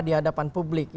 di hadapan publik